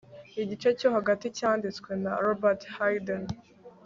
Igice cyo hagati cyanditswe na Robert Hayden